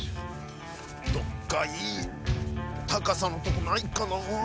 どっかいい高さのとこないかな？